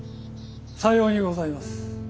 さようにございます。